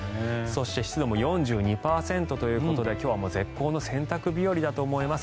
そして、湿度も４２％ということで今日は絶好の洗濯日和だと思います。